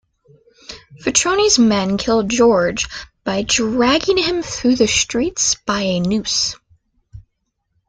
Vitroni's men kill George by dragging him through the streets by a noose.